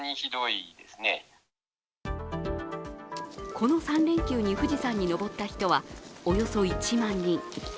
この３連休に富士山に登った人はおよそ１万人。